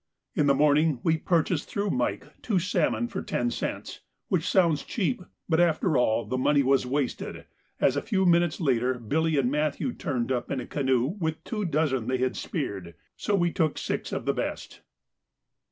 In the morning we purchased through Mike two salmon for ten cents, which sounds cheap, but after all the money was wasted, as a few minutes later Billy and Matthew turned up in a canoe with two dozen they had speared, so we took six of the best.